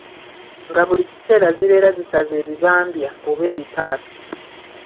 Nga buli kiseera zibeera zisaze ebibambya oba ebipaapi.